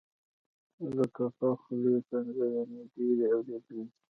د ټوپک د خولې ښکنځلې مې ډېرې اورېدلې دي.